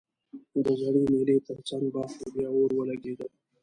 د زړې مېلې ترڅنګ باغ کې بیا اور ولګیده